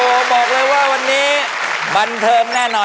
โอ้โหบอกเลยว่าวันนี้บันเทิงแน่นอน